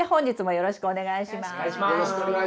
よろしくお願いします。